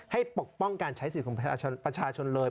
ปกป้องการใช้สิทธิ์ของประชาชนเลย